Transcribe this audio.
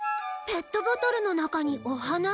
ペットボトルの中にお花？